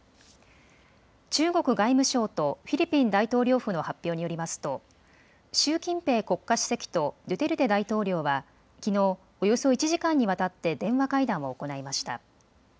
中国外務省とフィリピン大統領府の発表によりますと習近平国家主席とドゥテルテ大統領はきのう、およそ１時間にわたって電話会談を行いました。